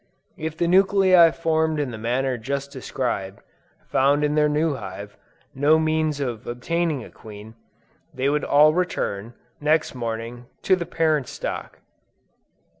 If the nuclei formed in the manner just described, found in their new hive, no means of obtaining a queen, they would all return, next morning, to the parent stock.